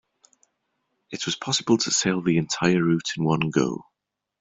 It was possible to sail the entire route in one go.